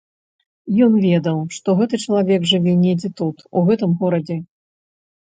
Ён ведаў, што гэты чалавек жыве недзе тут, у гэтым горадзе.